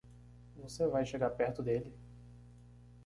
Você vai chegar perto dele?